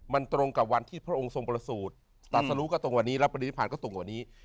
มันตรงกับวันที่พระองค์ทรงประสูจน์ตัดสรุปกับตรงวันนี้แล้วประสูจน์ตัดสรุปกับตรงวันนี้